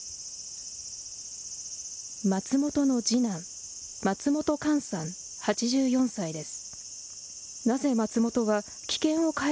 松本の次男、松本莞さん８４歳です。